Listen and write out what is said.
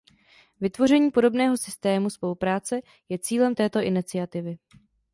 Vytvoření podobného systému spolupráce je cílem této iniciativy.